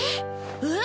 えっ！